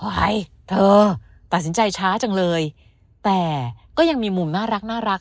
เฮ้ยเธอตัดสินใจช้าจังเลยแต่ก็ยังมีมุมน่ารัก